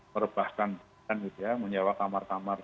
merebahkan dan menyewa kamar kamar